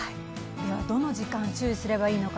どの時間注意すればいいのか